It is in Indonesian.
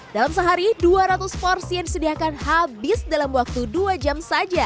dalam sehari dua ratus porsi yang disediakan habis dalam waktu dua jam saja